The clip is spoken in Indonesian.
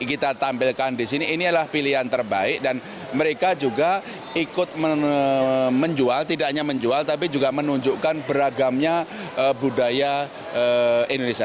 dan kita tampilkan di sini ini adalah pilihan terbaik dan mereka juga ikut menjual tidak hanya menjual tapi juga menunjukkan beragamnya budaya indonesia